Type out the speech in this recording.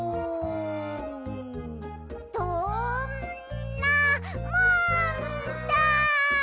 どんなもんだい！